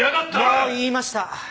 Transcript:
もう言いました。